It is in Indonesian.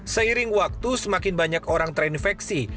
seiring waktu semakin banyak orang terinfeksi